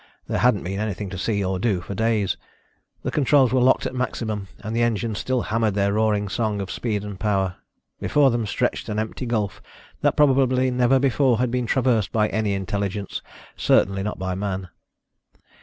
There hadn't been anything to see or do for days. The controls were locked at maximum and the engines still hammered their roaring song of speed and power. Before them stretched an empty gulf that probably never before had been traversed by any intelligence, certainly not by man.